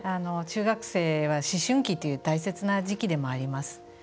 中学生は思春期という大切な時期でもあります。